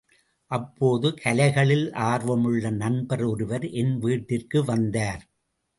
அப்போது கலைகளில் ஆர்வமுள்ள நண்பர் ஒருவர் என் வீட்டிற்கு வந்தார்.